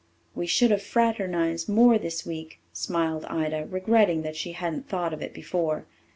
"We should have fraternized more this week," smiled Ida, regretting that she hadn't thought of it before.